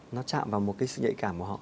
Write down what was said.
nó chạm vào một cái sự nhạy cảm của họ